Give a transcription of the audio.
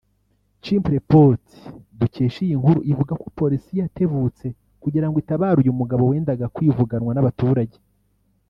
Chimpreports dukesha iyi nkuru ivuga ko Polisi yatebutse kugira ngo itabare uyu mugabo wendaga kwivuganwa n’abaturage